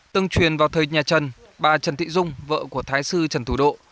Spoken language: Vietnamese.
từng truyền vào thời nhà trần bà trần thị dung vợ của thái sư trần thủ độ